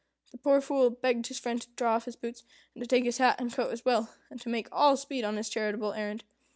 The poor Fool begged his friend to draw off his boots, and to take his hat and coat as well, and to make all speed on his charitable errand.